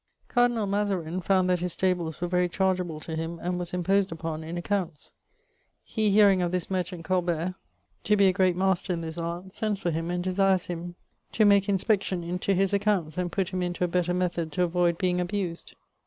Cardinal Mezarin found that his stables were very chardgeable to him, and was imposed upon in accompts. He hearing of this merchant Colbert to be a great master in this art, sends for him and desires him to make inspection into his accounts and putt him into a better method to avoyd being abused.